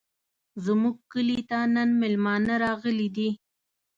زموږ کلي ته نن مېلمانه راغلي دي.